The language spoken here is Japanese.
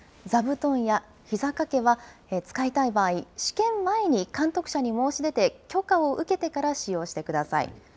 座布団やひざ掛けは、使いたい場合、試験前に監督者に申し出て許可を受けてから使用してください。